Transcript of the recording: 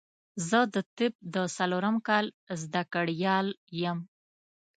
زه د طب د څلورم کال زده کړيال يم